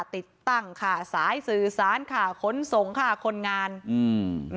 ติดตั้งค่ะสายสื่อสารค่ะขนส่งค่ะคนงานอืม